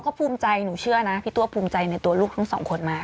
ก็ภูมิใจหนูเชื่อนะพี่ตัวภูมิใจในตัวลูกทั้งสองคนมา